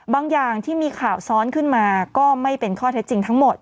อย่างที่มีข่าวซ้อนขึ้นมาก็ไม่เป็นข้อเท็จจริงทั้งหมด